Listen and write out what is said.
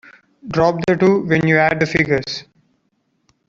Drop the two when you add the figures.